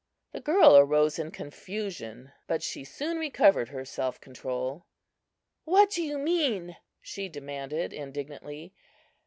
The girl arose in confusion, but she soon recovered her self control. "What do you mean?" she demanded, indignantly.